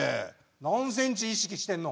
何センチ意識してんの？